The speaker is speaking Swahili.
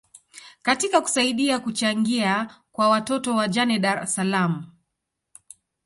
katika kusaidia kuchangia kwa watoto wajane dar es Salaam